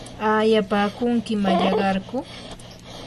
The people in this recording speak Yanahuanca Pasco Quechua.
¿aayapaakunki mallaqarku?